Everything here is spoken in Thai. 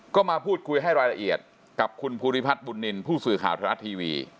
ก็มาพูดคุยให้รายละเอียดกับคุณภูริพัฒน์บุญนินทร์ผู้สื่อข่าวไทยรัฐทีวี